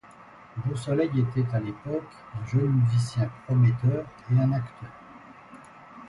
Beausoleil était à l'époque un jeune musicien prometteur et un acteur.